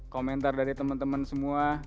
komentar dari teman teman semua